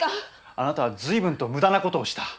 あなたは随分と無駄な事をした。